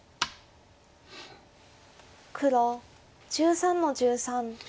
黒１３の十三トビ。